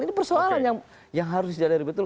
ini persoalan yang harus disadari betul